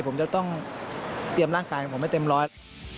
ผมจะต้องเตรียมร่างกายของผมให้เต็มร้อย